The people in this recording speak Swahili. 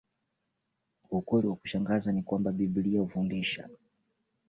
Ukweli wa kushangaza ni kwamba Biblia hufundisha